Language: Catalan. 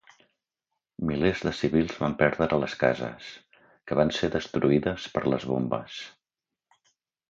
Milers de civils van perdre les cases, que van ser destruïdes per les bombes.